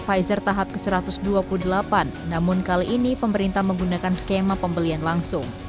pfizer tahap ke satu ratus dua puluh delapan namun kali ini pemerintah menggunakan skema pembelian langsung